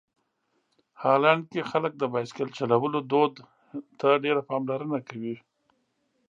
هالنډ کې خلک د بایسکل چلولو دود ډېره پاملرنه کوي.